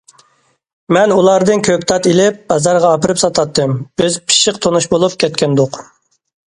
مەن ئۇلاردىن كۆكتات ئېلىپ، بازارغا ئاپىرىپ ساتاتتىم، بىز پىششىق تونۇش بولۇپ كەتكەنىدۇق.